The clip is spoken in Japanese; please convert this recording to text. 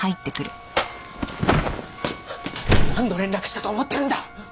何度連絡したと思ってるんだ！